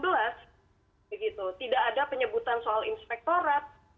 tidak ada penyebutan soal inspektorat